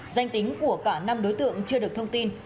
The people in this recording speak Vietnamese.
danh tính của cả năm đối tượng chưa được thông tin